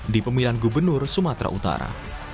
di pemilihan gubernur sumatera utara